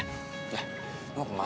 lah lo kemana